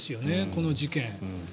この事件。